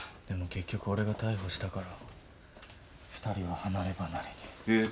でも結局俺が逮捕したから２人は離れ離れに。